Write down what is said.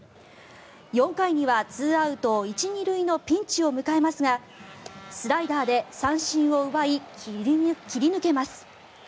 ４回には２アウト１・２塁のピンチを迎えますがスライダーで三振を奪い切り抜けます。